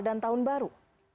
dan tahun baru